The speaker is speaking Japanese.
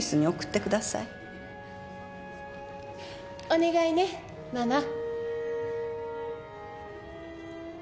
お願いねママ。